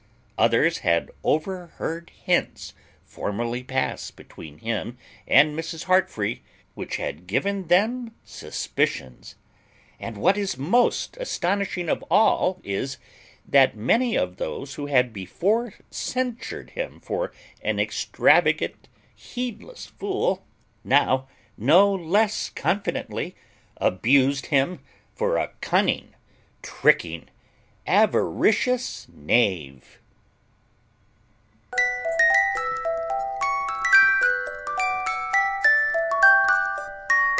Others had overheard hints formerly pass between him and Mrs. Heartfree which had given them suspicions. And what is most astonishing of all is, that many of those who had before censured him for an extravagant heedless fool, now no less confidently abused him for a cunning, tricking, avaricious knave.